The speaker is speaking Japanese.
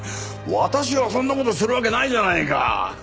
私がそんな事するわけないじゃないか。